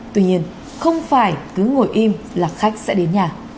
tuy nhiên không phải cứ ngồi im là khách sẽ đến nhà